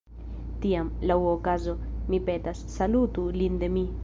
Tiam, laŭ okazo, mi petas, salutu lin de mi.